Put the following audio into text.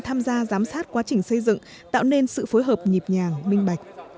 tham gia giám sát quá trình xây dựng tạo nên sự phối hợp nhịp nhàng minh bạch